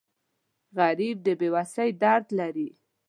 غریب د بې وسۍ درد لري